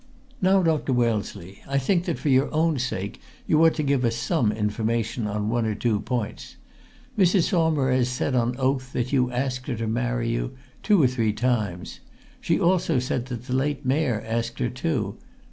"Now, Dr. Wellesley, I think that for your own sake you ought to give us some information on one or two points. Mrs. Saumarez said on oath that you asked her to marry you, two or three times. She also said that the late Mayor asked her too.